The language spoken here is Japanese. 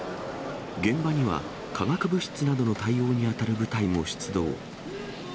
現場には、化学物質などの対応に当たる部隊も出動。